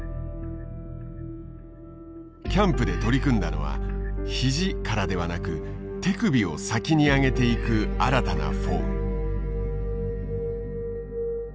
キャンプで取り組んだのは肘からではなく手首を先に上げていく新たなフォーム。